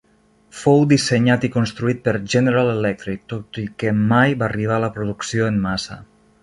Fou dissenyat i construït per General Electric, tot i que mai va arribar a la producció en massa.